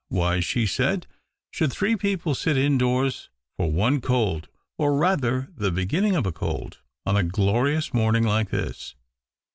" Why," she said, " should three people sit ndoors for one cold — or, rather, the beginning )f a cold — on a glorious morning like this